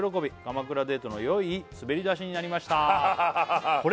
「鎌倉デートのよい滑り出しになりました」